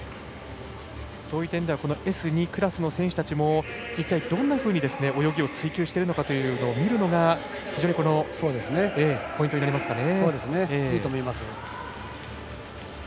そういう点ではＳ２クラスの選手たちも一体、どんなふうに泳ぎを追求しているのかを見るのが非常にポイントになりますね。